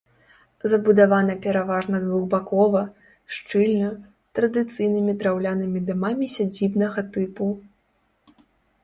Забудавана пераважна двухбакова, шчыльна, традыцыйнымі драўлянымі дамамі сядзібнага тыпу.